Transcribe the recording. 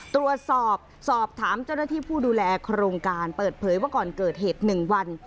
ตรวจสอบสอบถามเจ้าหน้าที่ผู้ดูแลโครงการเปิดเผยว่าก่อนเกิดเหตุ๑วัน